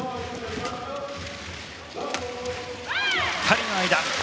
２人の間。